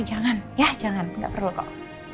jangan ya jangan nggak perlu kok